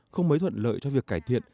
không mấy thuận lợi cho việc cải thiện